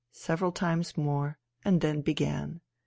several times more and then began.